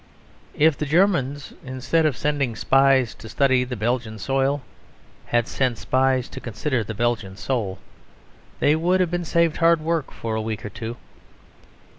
If the Germans, instead of sending spies to study the Belgian soil, had sent spies to consider the Belgian soul, they would have been saved hard work for a week or two.